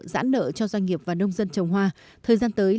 giãn nợ cho doanh nghiệp và nông dân trồng hoa thời gian tới